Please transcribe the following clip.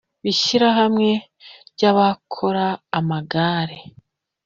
ishyirahamwe ry abakora amagare